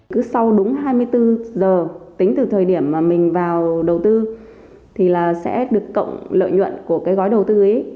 cứ sau đúng hai mươi bốn giờ tính từ thời điểm mà mình vào đầu tư thì là sẽ được cộng lợi nhuận của cái gói đầu tư ấy